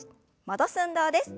戻す運動です。